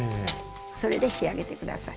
それで仕上げて下さい。